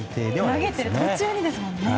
投げてる途中にですもんね。